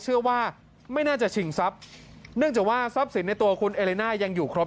เชื่อว่าไม่น่าจะชิงทรัพย์เนื่องจากว่าทรัพย์สินในตัวคุณเอเลน่ายังอยู่ครบ